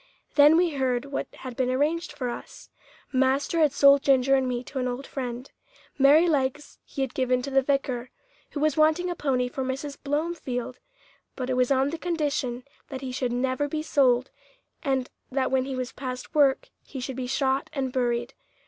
Then we heard what had been arranged for us. Master had sold Ginger and me to an old friend. Merrylegs he had given to the vicar, who was wanting a pony for Mrs. Blomefield, but it was on the condition that he should never be sold, and that when he was past work he should be shot and buried.